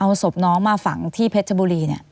เอาศพน้องมาฝังที่เพชรบุรี